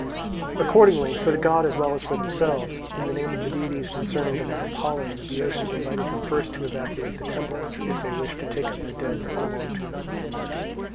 Accordingly for the god as well as for themselves, in the name of the deities concerned, and of Apollo, the Boeotians invited them first to evacuate the temple, if they wished to take up the dead that belonged to them.